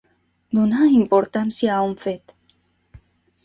Donar importància a un fet.